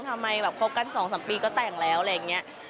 ทำไมแบบคบกัน๒๓ปีก็แต่งแล้วอะไรอย่างนี้